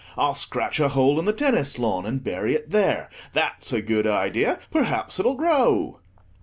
I'll scratch a hole in the tennis lawn, and bury it there. That's a good idea; perhaps it'll grow!"